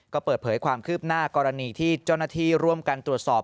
ก็เปิดเผยความคืบหน้ากรณีที่เจ้าหน้าที่ร่วมกันตรวจสอบ